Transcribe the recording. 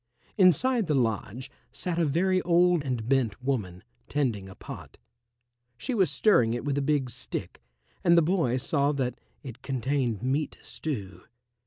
Inside the lodge sat a very old and bent woman, tending a pot. She was stirring it with a big stick, and the boy saw that it contained meat stew.